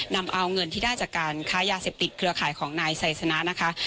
นำเอาเงินที่ได้จากการค้ายาเสพติดเครือข่ายของนายไซสนะนะคะ